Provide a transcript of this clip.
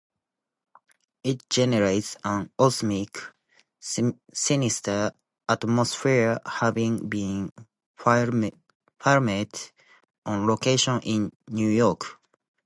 It generates an authentic sinister atmosphere, having been filmed on location in New York.